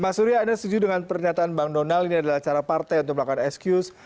mas surya anda setuju dengan pernyataan bang donald ini adalah cara partai untuk melakukan excuse